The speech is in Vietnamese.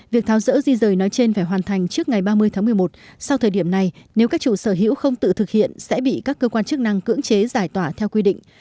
việc tháo rỡ di rời nói trên phải hoàn thành trước ngày ba mươi tháng một mươi một sau thời điểm này nếu các chủ sở hữu không tự thực hiện sẽ bị các cơ quan chức năng cưỡng chế giải tỏa theo quy định